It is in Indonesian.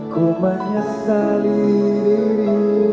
ku menyesali dirimu